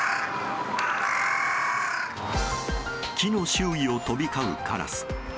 木の周囲を飛び交うカラス。